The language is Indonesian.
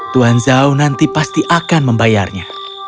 tuan zhao nanti pasti akan membayarnya